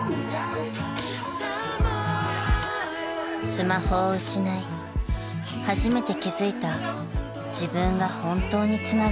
［スマホを失い初めて気付いた自分が本当につながりたいもの］